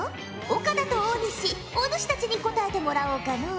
岡田と大西お主たちに答えてもらおうかのう。